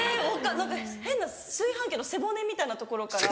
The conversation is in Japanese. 何か変な炊飯器の背骨みたいな所から。